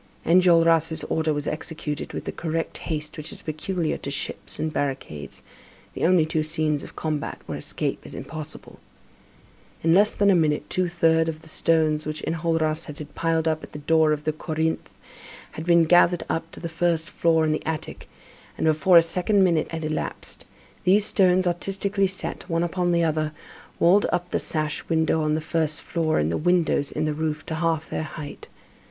Enjolras' order was executed with the correct haste which is peculiar to ships and barricades, the only two scenes of combat where escape is impossible. In less than a minute, two thirds of the stones which Enjolras had had piled up at the door of Corinthe had been carried up to the first floor and the attic, and before a second minute had elapsed, these stones, artistically set one upon the other, walled up the sash window on the first floor and the windows in the roof to half their height.